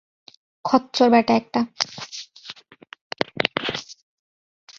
খচ্চর ব্যাটা একটা।